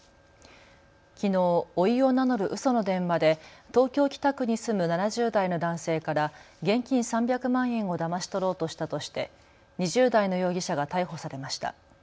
きのうおいを名乗るうその電話で東京北区に住む７０代の男性から現金３００万円をだまし取ろうとしたとして２０代の容疑者が逮捕されました。